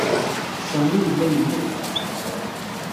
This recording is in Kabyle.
Sami yella yemmut.